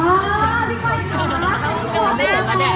ไม่มีแบบนั้นแล้วก็ได้